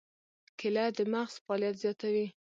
کېله د مغز فعالیت زیاتوي.